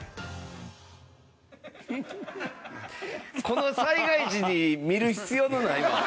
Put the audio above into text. この災害時に見る必要のない番組やな